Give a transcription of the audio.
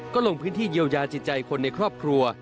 ก็ลงพื้นที่เยียวยาจิตใจคนในครอบครัว